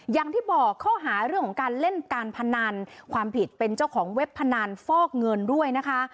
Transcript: อย่างที่บอกข้อหาเรื่องของการเล่นการพนันความผิดเป็นเจ้าของเว็บพนันฟอกเงินด้วยนะคะ